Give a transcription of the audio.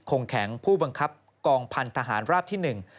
คงแข็งผู้บังคับกองพันธหารราบที่หนึ่ง